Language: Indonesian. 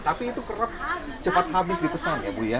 tapi itu kerap cepat habis dipesan ya bu ya